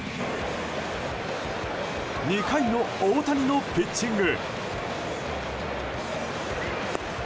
２回の大谷のピッチング。